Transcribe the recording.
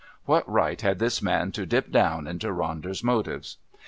What right had this man to dip down into Ronder's motives?